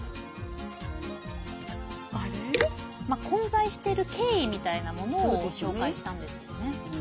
混在している経緯みたいなものを紹介したんですよね。